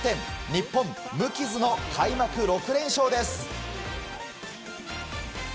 日本、無傷の開幕６連勝です。